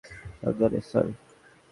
সাবধানে, স্যার।